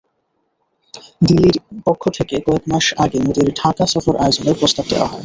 দিল্লির পক্ষ থেকে কয়েক মাস আগেই মোদির ঢাকা সফর আয়োজনের প্রস্তাব দেওয়া হয়।